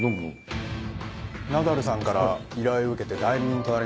ナダルさんから依頼を受けて代理人となりました